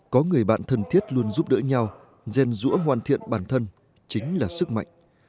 có người bạn thân thiết luôn giúp đỡ nhau ghen rũa hoàn thiện bản thân chính là sức mạnh